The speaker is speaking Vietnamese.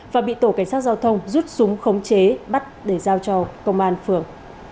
và bị tổ cảnh sát giao thông rút súng khống chế bắt để giao cho công an phường